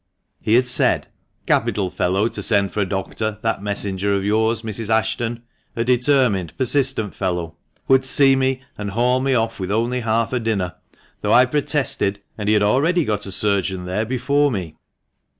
He had said —" Capital fellow to send for a doctor, that messenger of yours, Mrs. Ashton ! A determined, persistent fellow ! Would see me and haul me off with only half a dinner, though I protested and he had already got a surgeon there before me